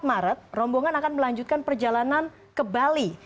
empat maret rombongan akan melanjutkan perjalanan ke bali